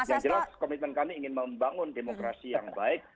yang jelas komitmen kami ingin membangun demokrasi yang baik